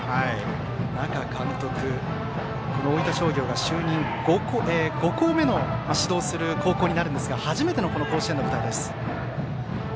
那賀監督は大分商業が就任５校目の指導する高校になりますが初めての甲子園の舞台です。